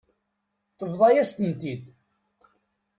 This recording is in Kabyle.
Tebḍa-yas-ten-id.